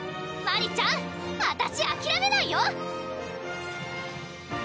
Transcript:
マリちゃんあたしあきらめないよ！